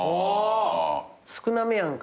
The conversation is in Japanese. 少なめやんか。